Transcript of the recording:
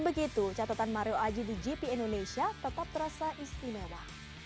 begitu catatan mario aji di gp indonesia tetap terasa istimewa